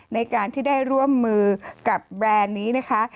ในการที่ได้ร่วมมือกับแบรนด์นี้นะคะ